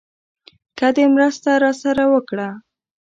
که دې مرسته راسره وکړه.